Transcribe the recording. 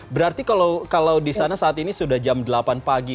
berarti kalau disana saat ini sudah jam delapan pagi